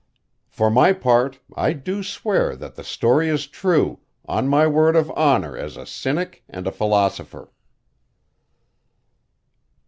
For my part, I do swear that the story is true, on my word of honor as a cynic and a philosopher.